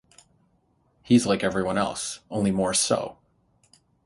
He is like everyone else-only more so!